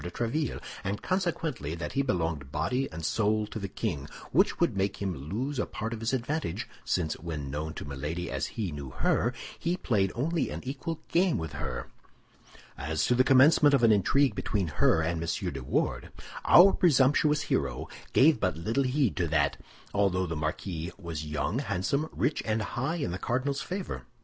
de Tréville, and consequently, that he belonged body and soul to the king; which would make him lose a part of his advantage, since when known to Milady as he knew her, he played only an equal game with her. As to the commencement of an intrigue between her and M. de Wardes, our presumptuous hero gave but little heed to that, although the marquis was young, handsome, rich, and high in the cardinal's favor.